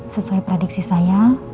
sesuai prediksi saya